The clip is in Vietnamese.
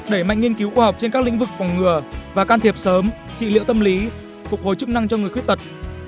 đẩy mạnh nghiên cứu khoa học trên các lĩnh vực phòng ngừa và can thiệp sớm trị liệu tâm lý phục hồi chức năng cho người khuyết tật